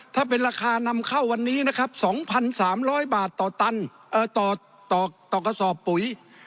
ถ้าเป็นราคานำเข้าวันนี้นะครับ๒๓๐๐บาทต่อตันต่อกระสอบปุ๋ย